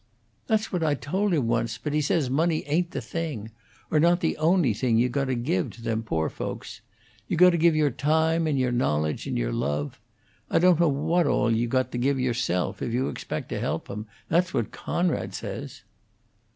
"That's what I told him once, but he says money ain't the thing or not the only thing you got to give to them poor folks. You got to give your time and your knowledge and your love I don't know what all you got to give yourself, if you expect to help 'em. That's what Coonrod says."